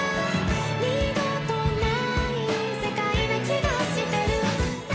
「二度とない世界な気がしてる」